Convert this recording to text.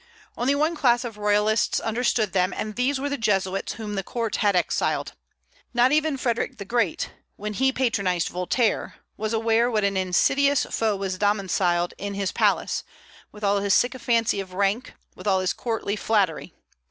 Only one class of royalists understood them, and these were the Jesuits whom the court had exiled. Not even Frederic the Great, when he patronized Voltaire, was aware what an insidious foe was domiciled in his palace, with all his sycophancy of rank, with all his courtly flattering.